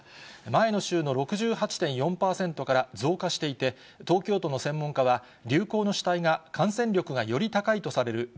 前の週の６８．４％から増加していて、東京都の専門家は、流行の主体が感染力がより高いとされるＢＡ